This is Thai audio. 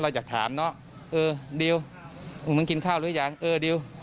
อยากถามเนอะเออดิวมึงกินข้าวหรือยังเออดิว